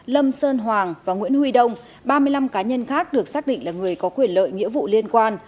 lâm sơn hoàng và nguyễn huy đông ba mươi năm cá nhân khác được xác định là người có quyền lợi nghĩa vụ liên quan